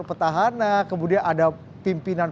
petahana kemudian ada pimpinan